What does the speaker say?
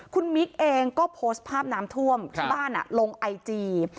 คุณมิ๊กเองก็โพสต์ภาพน้ำท่วมที่บ้านลงไอจี